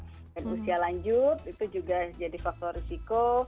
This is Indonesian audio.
dan usia lanjut itu juga jadi faktor risiko